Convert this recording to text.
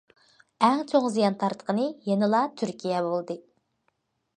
ئەڭ چوڭ زىيان تارتقىنى يەنىلا تۈركىيە بولدى.